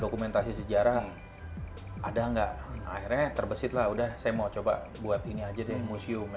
dokumentasi sejarah ada enggak akhirnya terbesit lah udah saya mau coba buat ini aja deh museum